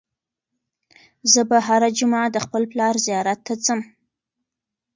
زه به هره جمعه د خپل پلار زیارت ته ځم.